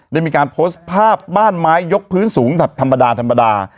ได้มีการโพสต์ภาพบ้านไม้ยกพื้นสูงแบบธรรมดาธรรมดา